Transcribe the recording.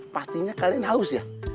pastinya kalian haus ya